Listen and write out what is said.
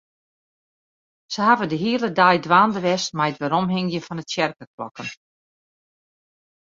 Se hawwe de hiele dei dwaande west mei it weromhingjen fan de tsjerkeklokken.